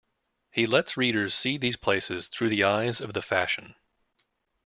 He lets readers see these places through the eyes of the fashion.